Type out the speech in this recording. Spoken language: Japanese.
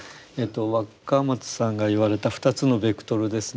若松さんが言われた２つのベクトルですね。